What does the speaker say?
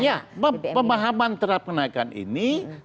ya pemahaman terhadap kenaikan ini